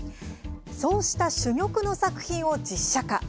そうした珠玉の作品を実写化。